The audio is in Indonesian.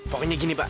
pokoknya gini pak